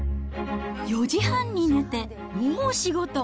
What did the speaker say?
４時半に寝て、もう仕事。